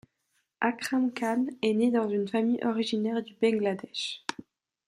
Akram Khan est né dans une famille originaire du Bangladesh.